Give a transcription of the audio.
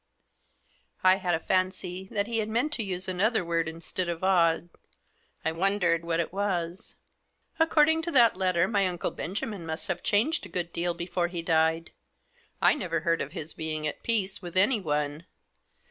I had a fancy that he had meant to use another word instead of " odd ;" I wondered what it was. " According to that letter my Uncle Benjamin must have changed a good deal before he died; I never Digitized by THE MISSIONARY'S LETTER. heard of his being at peace with anyone.